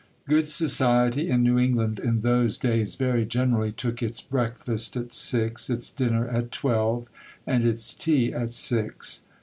Good society in New England in those days very generally took its breakfast at six, its dinner at twelve, and its tea at six.